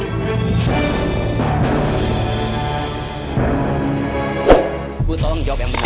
gua tolong jawab yang benar